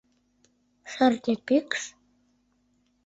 Шӧртньӧ пӱкш?